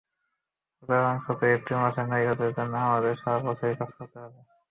সুতরাং শুধু এপ্রিল মাসেই না, ওদের জন্য আমাদের সারা বছরই কাজ করতে হবে।